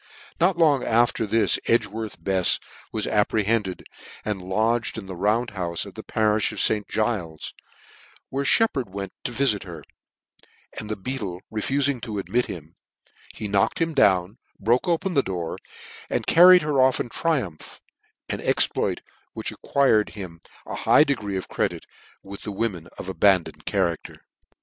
'Not long alter this Edgworth Befs was appre hended, and lodged in the Round houfe pf the pa^ifh of St. Giles's, where Sheppard went to viiit her, and the beadle refufing to admit him, he knocked him down, broke open the door, and carried her off in triumph; an exploit which ac quired h'im a high degree of credit with the wo men of abandoned character.